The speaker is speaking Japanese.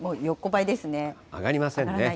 上がりませんね。